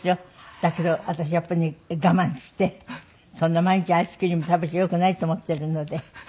だけど私やっぱりね我慢してそんな毎日アイスクリーム食べちゃよくないと思っているので。